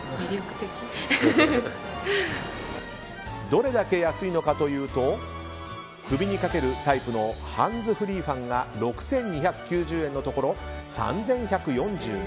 どれだけ安いのかというと首にかけるタイプのハンズフリーファンが６２９０円のところ３１４５円。